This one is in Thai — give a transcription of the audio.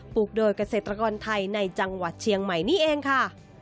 ลูกโดยเกษตรกรไทยในจังหวัดเชียงใหม่นี่เองค่ะ